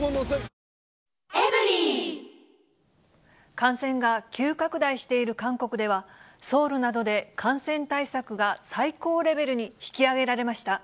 感染が急拡大している韓国では、ソウルなどで感染対策が最高レベルに引き上げられました。